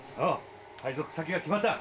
配属先が決まった。